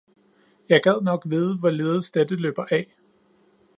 Jeg gad nok vide, hvorledes dette løber af!